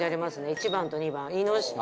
１番と２番。